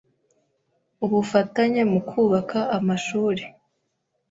ubufatanye mu kubaka amashuri